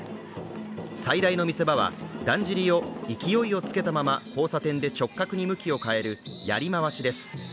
最大の見せ場は、だんじりを勢いをつけたまま交差点で直角に向きを変える、やりまわしです。